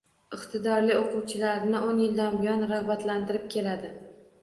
Iqtidorli o‘quvchilarini o’n yildan buyon rag‘batlantirib keladi